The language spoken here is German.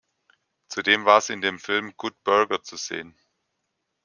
Zudem war sie in dem Film "Good Burger" zu sehen.